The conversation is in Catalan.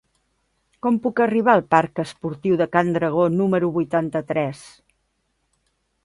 Com puc arribar al parc Esportiu de Can Dragó número vuitanta-tres?